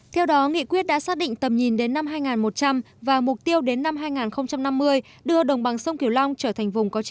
theo đó nghị quyết đã xác định tầm nhìn đến năm hai nghìn một trăm linh và mục tiêu đến năm hai nghìn năm mươi đưa đồng bằng sông kiều long trở thành vùng có